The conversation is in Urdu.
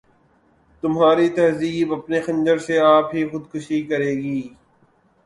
تمہاری تہذیب اپنے خنجر سے آپ ہی خودکشی کرے گی